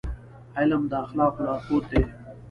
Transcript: علم د اخلاقو لارښود دی.